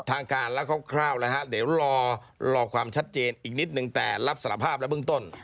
ทางการแล้วคร่าวนะฮะเดี๋ยวรอความชัดเจนอีกนิดนึงแต่รับสารภาพและเบื้องต้น